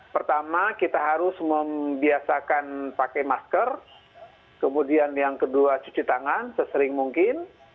pertama kita harus membiasakan pakai masker kemudian yang kedua cuci tangan sesering mungkin